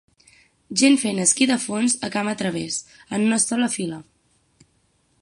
Gent fent esquí de fons camp a través, en una sola fila.